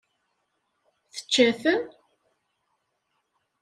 Tečča-ten?